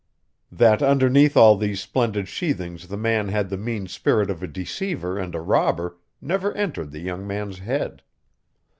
That underneath all these splendid sheathings the man had the mean spirit of a deceiver and a robber never entered the young man's head.